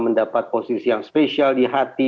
mendapat posisi yang spesial di hati